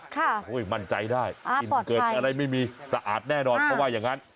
มั่นใจได้กลิ่นเกิดอะไรไม่มีสะอาดแน่นอนเขาว่าอย่างนั้น